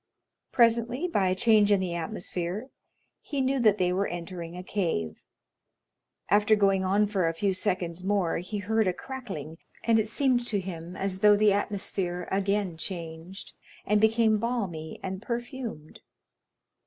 Presently, by a change in the atmosphere, he knew that they were entering a cave; after going on for a few seconds more he heard a crackling, and it seemed to him as though the atmosphere again changed, and became balmy and perfumed.